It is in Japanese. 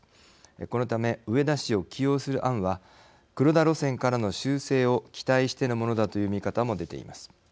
このため、植田氏を起用する案は黒田路線からの修正を期待してのものだという見方も出ています。